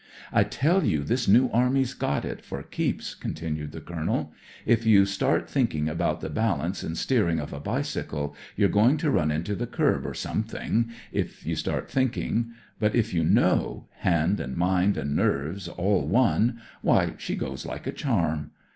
" I tell you this New Army*s got it, for keeps," continued the Colonel. " If you start thinking about the balance and steering of a bicycle you're going to run into the kerb or something — if you start thinking. But if you knoWt hand and mind and nerves all one— why, she goes, like a charm.